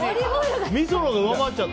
みそのほうが上回っちゃった。